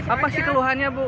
apa sih keluhannya bu